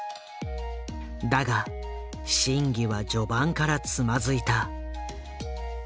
だが審議は序盤からつまずいた。